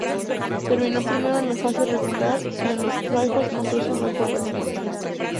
Terminó primero en la fase regular, y en los playoffs mostró su mejor versión.